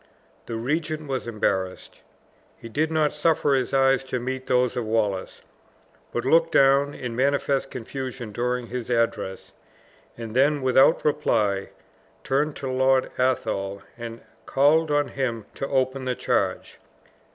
The regent was embarrassed. He did not suffer his eyes to meet those of Wallace, but looked down in manifest confusion during this address; and then, without reply, turned to Lord Athol, and called on him to open the charge.